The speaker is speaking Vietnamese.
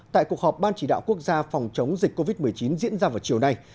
tại cuộc họp ban chỉ đạo quốc gia phòng chống dịch covid một mươi chín diễn ra vào chiều nay